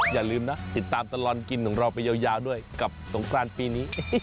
อย่าลืมนะติดตามตลอดกินของเราไปยาวด้วยกับสงครานปีนี้